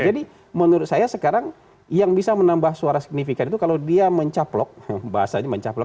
jadi menurut saya sekarang yang bisa menambah suara signifikan itu kalau dia mencaplok bahasanya mencaplok